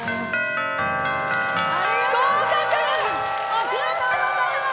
ありがとうございます！